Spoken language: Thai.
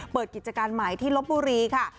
เปิดกิจการใหม่ที่ลบบุรีค่ะ